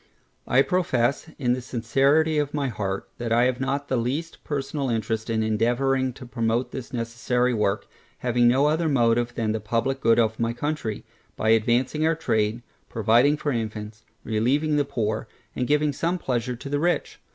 I profess in the sincerity of my heart, that I have not the least personal interest in endeavouring to promote this necessary work, having no other motive than the publick good of my country, by advancing our trade, providing for infants, relieving the poor, and giving some pleasure to the rich.